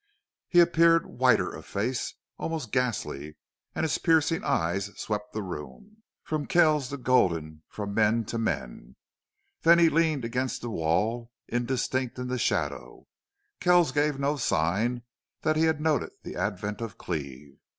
He appeared whiter of face, almost ghastly, and his piercing eyes swept the room, from Kells to Gulden, from men to men. Then he leaned against the wall, indistinct in the shadow. Kells gave no sign that he had noted the advent of Cleve.